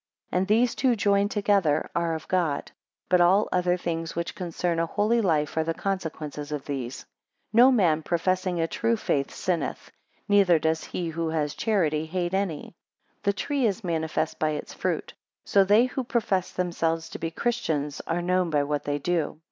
And these two joined together, are of God; but all other things which concern a holy life, are the consequences of these. 15 No man professing a true faith, sinneth; neither does he who has charity hate any. 16 The tree is made manifest by its fruit; so they who profess themselves to be Christians are known by what they do.